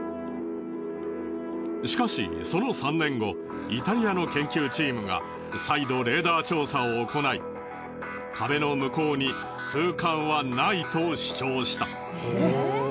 しかしその３年後イタリアの研究チームが再度レーダー調査を行い壁の向こうに空間はないと主張した。